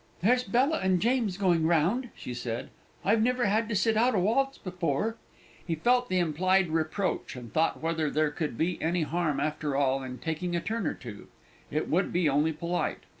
"There's Bella and James going round," she said; "I've never had to sit out a waltz before!" He felt the implied reproach, and thought whether there could be any harm, after all, in taking a turn or two; it would be only polite.